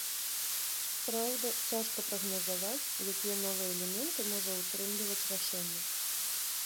Праўда, цяжка прагназаваць, якія новыя элементы можа ўтрымліваць рашэнне.